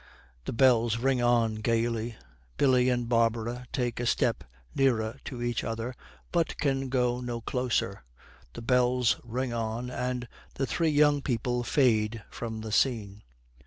The bells ring on gaily. Billy and Barbara take a step nearer to each other, but can go no closer. The bells ring on, and the three young people fade from the scene.